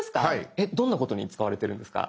えっどんなことに使われてるんですか？